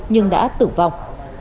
nhưng đã tử vong